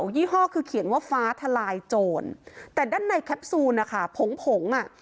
ยี่ห้อคือเขียนว่าฟ้าทลายโจรแต่ด้านในแคปซูลนะคะผงผงอ่ะ